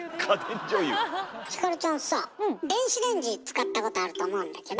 ひかるちゃんさあ電子レンジ使ったことあると思うんだけど。